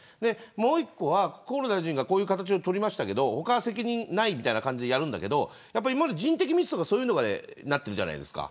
もう一つは、河野大臣がこういう形をとりましたが他は責任ないみたいな形でやるんだけど今まで人的ミスとかだったじゃないですか。